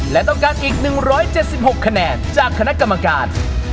และต้องการอีก๑๗๖คะแนนจากคณะกรรมการ